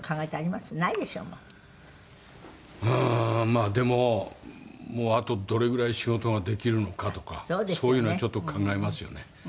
まあでももうあとどれぐらい仕事ができるのかとかそういうのはちょっと考えますよね。